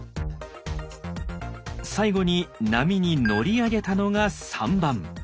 最後に波に乗り上げたのが３番。